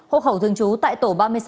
hộ khẩu thường trú tại tổ ba mươi sáu